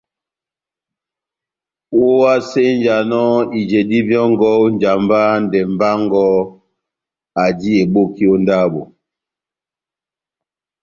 Ohásenjanɔ ijedi vyɔngɔ ó njamba ya ndɛmbɛ wɔngɔ aji eboki ó ndabo.